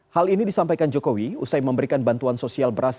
hal ini disampaikan jokowi usai memberikan bantuan sosial beras